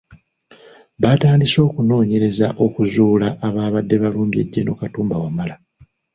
Baatandise okunoonyereza okuzuula abaabadde balumbye Gen. Katumba Wamala.